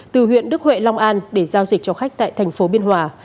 từ huyện đức huệ long an để giao dịch cho khách tại tp biên hòa